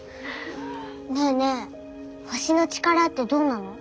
ねえねえ星の力ってどんなの？